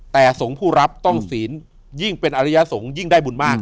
แต่สงฆ์ผู้รับต้องศีลยิ่งเป็นอริยสงฆ์ยิ่งได้บุญมาก